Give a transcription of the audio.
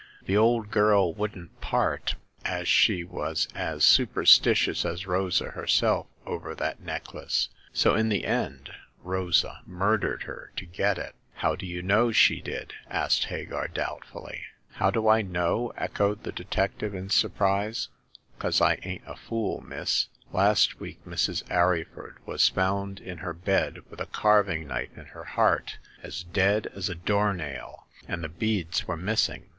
The old girl wouldn't part, as she was as superstitious as Rosa herself over that necklace ; so in the end Rosa murdered her to get it.'' How do you know she did ?" asked Hagar, doubtfully. " How do I know ?" echoed the detective in surprise. 'Cause* I ain't a fool, miss. Last week Mrs. Arryford was found in her bed with a carving knife in her heart, as dead as a door nail, and the beads were missing.